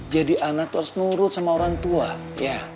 jadi anak itu harus nurut sama orang tua ya